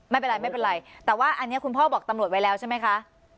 ไม่เป็นไรไม่เป็นไรแต่ว่าอันนี้คุณพ่อบอกตำรวจไว้แล้วใช่ไหมคะ